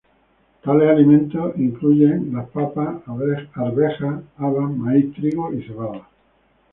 Tales alimentos incluyen las papas, arveja, habas, maíz, trigo y cebada.